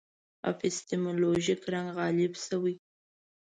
اپیستیمولوژیک رنګ غالب شوی.